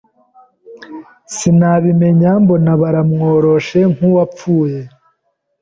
sinabimenya mbona baramworoshe nk’uwapfuye